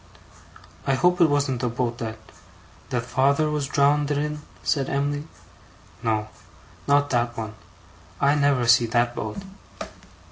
'I hope it wasn't the boat that ' 'That father was drownded in?' said Em'ly. 'No. Not that one, I never see that boat.